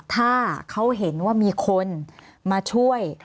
ถ้าเขาเห็นว่ามีคนมาช่วย